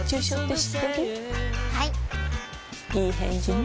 いい返事ね